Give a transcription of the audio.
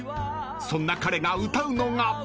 ［そんな彼が歌うのが］